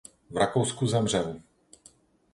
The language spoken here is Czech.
V Rakousku zemřel.